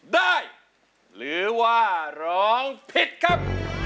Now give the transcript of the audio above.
ได้ครับ